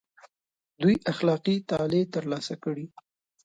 دوی اخلاقي تعالي تر لاسه کړي.